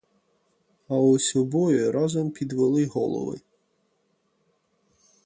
Аж ось обоє разом підвели голови.